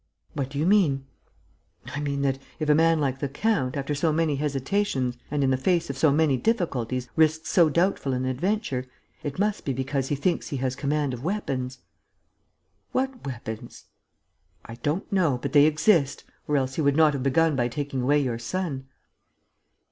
"What do you mean?" "I mean that, if a man like the count, after so many hesitations and in the face of so many difficulties, risks so doubtful an adventure, it must be because he thinks he has command of weapons ..." "What weapons?" "I don't know. But they exist ... or else he would not have begun by taking away your son."